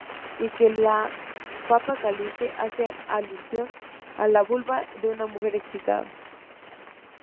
Y que la "papa caliente" hace alusión a la vulva de una mujer excitada.